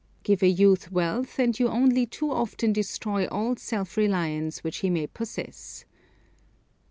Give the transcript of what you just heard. Give a youth wealth, and you only too often destroy all self reliance which he may possess.